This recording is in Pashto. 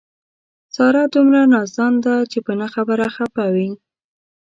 ساره دومره نازدان ده په نه خبره خپه وي.